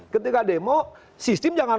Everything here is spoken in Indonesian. ketika demo sistem jangan